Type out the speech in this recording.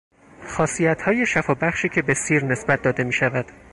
خاصیتهای شفابخشی که به سیر نسبت داده میشود